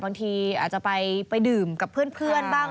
บางทีอาจจะไปดื่มกับเพื่อนบ้าง